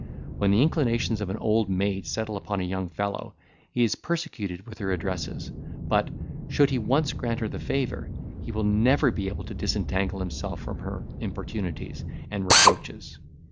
When the inclinations of an old maid settle upon a young fellow, he is persecuted with her addresses; but, should he once grant her the favour, he will never be able to disentangle himself from her importunities and reproaches.